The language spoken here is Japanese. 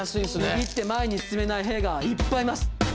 ビビって前に進めない兵がいっぱいいます。